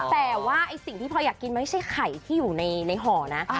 แต่ว่าสิ่งที่พลอยอยากกินมันไม่ใช่ไข่ที่อยู่ในห่อนะ